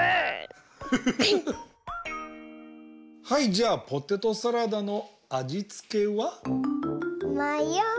はいじゃあポテトサラダのあじつけは？